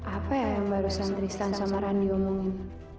apa ya yang baru santristan sama randi omongin